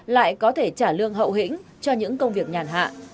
lại có thể trả lương hậu hĩnh cho những công việc nhàn hạ